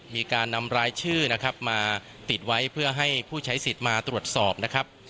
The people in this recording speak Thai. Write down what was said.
มีการนำรายชื่อนะครับมาติดไว้เพื่อให้ผู้ใช้สิทธิ์มาตรวจสอบนะครับ